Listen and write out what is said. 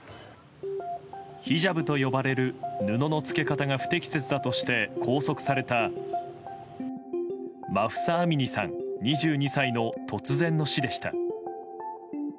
ヒジャブと呼ばれる布の着け方が不適切だとして拘束されたマフサ・アミニさん、２２歳の突然の死でした。